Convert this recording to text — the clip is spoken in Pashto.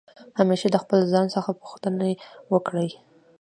همېشه د خپل ځان څخه پوښتني وکړئ.